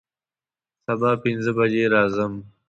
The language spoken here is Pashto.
سبا پنځه بجې راځم